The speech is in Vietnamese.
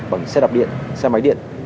bằng xe đạp điện xe máy điện